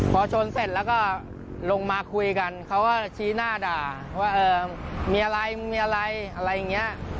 พอชนเสร็จแล้วก็ลงมาคุยกันเขาก็ชี้หน้าด่าว่ามีอะไรมึงมีอะไรอะไรอย่างนี้